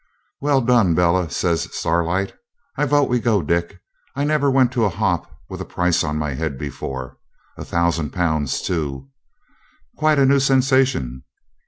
'Well done, Bella!' says Starlight. 'I vote we go, Dick. I never went to a hop with a price on my head before. A thousand pounds too! Quite a new sensation.